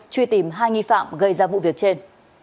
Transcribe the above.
truy tìm hai nghi phạm gây ra vụ việc trên